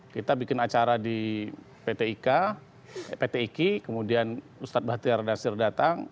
kita bikin acara di pt ika pt iki kemudian ustadz bahtiar nasir datang